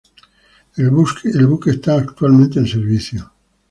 El buque está actualmente en servicio.